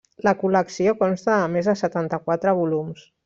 La col·lecció consta de més de setanta-quatre volums.